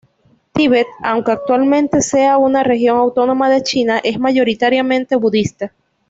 Tíbet, aunque actualmente sea una región autónoma de China, es mayoritariamente budista.